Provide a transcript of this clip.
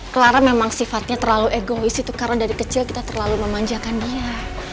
clara memang sifatnya terlalu egois itu karena dari kecil kita terlalu memanjakan dia